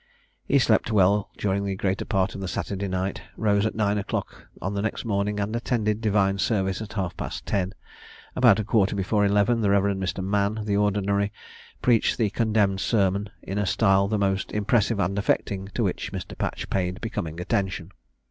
He slept well during the greater part of the Saturday night, rose at nine o'clock on the next morning, and attended divine service at half past ten. About a quarter before eleven, the Rev. Mr. Mann, the ordinary, preached the condemned sermon, in a style the most impressive and affecting; to which Mr. Patch paid becoming attention.